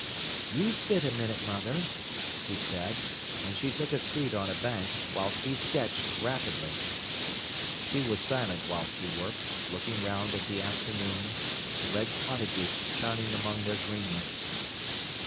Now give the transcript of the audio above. "You sit a minute, mother," he said, and she took a seat on a bank, whilst he sketched rapidly. She was silent whilst he worked, looking round at the afternoon, the red cottages shining among their greenness.